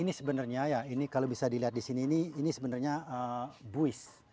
ini sebenarnya ya ini kalau bisa dilihat di sini ini sebenarnya buis